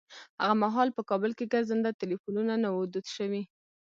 هغه مهال په کابل کې ګرځنده ټليفونونه نه وو دود شوي.